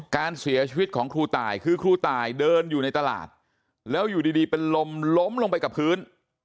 การเสียชีวิตของครูตายคือครูตายเดินอยู่ในตลาดแล้วอยู่ดีเป็นลมล้มลงไปกับพื้น